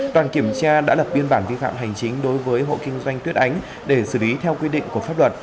đoàn kiểm tra đã lập biên bản vi phạm hành chính đối với hộ kinh doanh tuyết ánh để xử lý theo quy định của pháp luật